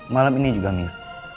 malam ini juga mir